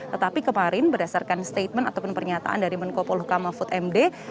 tetapi kemarin berdasarkan statement ataupun pernyataan dari menko poluh kamah food md